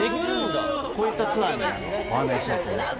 こういったツアーにご案内しようと思っております。